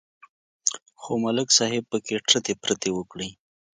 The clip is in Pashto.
خو ملک صاحب پکې ټرتې پرتې وکړې